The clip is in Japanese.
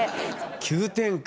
急展開。